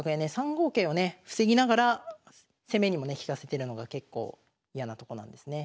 ３五桂をね防ぎながら攻めにもね利かせてるのが結構嫌なとこなんですね。